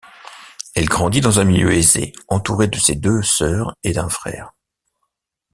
Elle grandit dans un milieu aisé, entourée de ses deux sœurs et d'un frère.